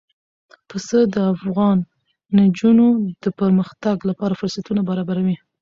پسه د افغان نجونو د پرمختګ لپاره فرصتونه برابروي.